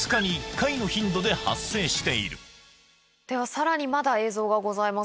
さらにまだ映像がございます